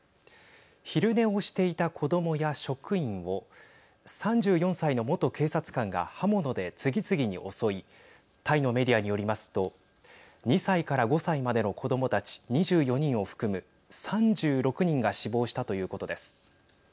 昼寝をしていた子どもや職員を３４歳の元警察官が刃物で次々に襲いタイのメディアによりますと２歳から５歳までの子どもたち２４人を含む３６人が死亡したということです。